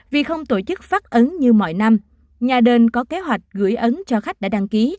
vì không tổ chức phát ấn như mọi năm nhà đền có kế hoạch gửi ấn cho khách đã đăng ký